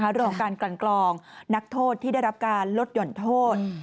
เรื่องของการกลั่นกลองนักโทษที่ได้รับการลดหย่อนโทษ